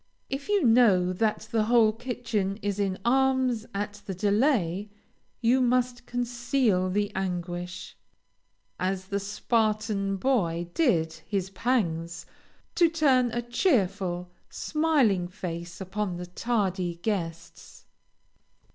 If you know that the whole kitchen is in arms at the delay, you must conceal the anguish, as the Spartan boy did his pangs, to turn a cheerful, smiling face upon the tardy guests.